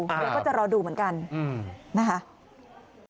เดี๋ยวก็จะรอดูเหมือนกันนะคะ